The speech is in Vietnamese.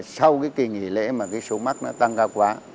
sau cái kỳ nghỉ lễ mà cái số mắc nó tăng cao quá